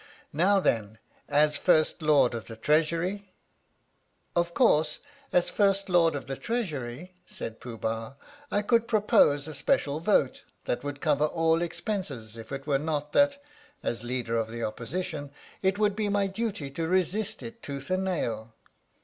" Now then, as First Lord of the Treasury? "" Of course as First Lord of the Treasury," said Pooh Bah, " I could propose a special vote that would cover all expenses if it were not that, as Leader of the Opposition, it would be my duty to resist it tooth and nail.